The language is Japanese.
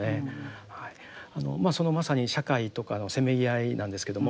まさに社会とかのせめぎ合いなんですけども。